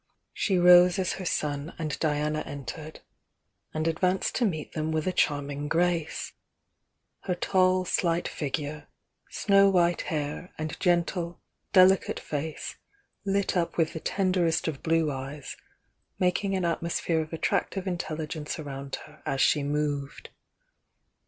She rose as her son and Diana entered and advanced to meet them with a charming grace — her tall slight figure, snow white hair, and gentle, delicate face, lit up with the tenderest of blue eyes, making an at mosphere of attractive influence around her as she moved.